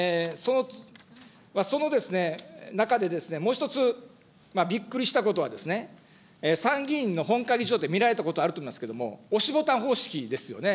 その中で、もう１つ、びっくりしたことはですね、参議院の本会議場って見られたことあると思いますけれども、押しボタン方式ですよね。